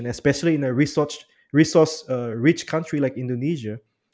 mencapai sumber daya seperti indonesia